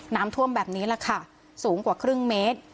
น้ำท่วมแบบนี้แหละค่ะสูงกว่าครึ่งเมตร